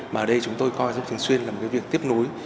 mà ở đây chúng tôi coi giáo dục thường xuyên là một cái việc tiếp nối